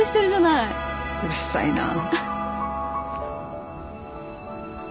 うるさいな。